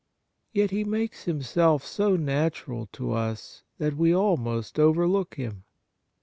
Yet He makes Himself so natural to us that we almost overlook Him.